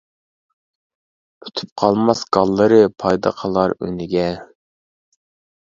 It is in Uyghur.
پۈتۈپ قالماس گاللىرى، پايدا قىلار ئۈنىگە.